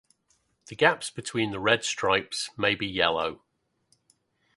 The gaps between the red stripes may be yellow.